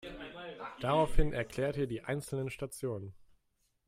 Daraufhin erklärt ihr die einzelnen Stationen.